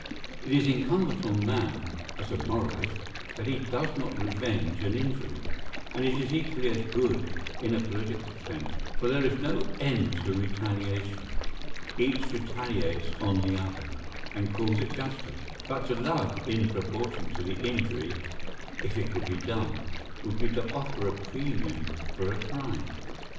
It is incumbent on man, as a moralist, that he does not revenge an injury; and it is equally as good in a political sense, for there is no end to retaliation; each retaliates on the other, and calls it justice: but to love in proportion to the injury, if it could be done, would be to offer a premium for a crime.